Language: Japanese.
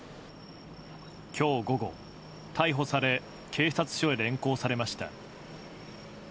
今日午後、逮捕され警察署へ連行されました。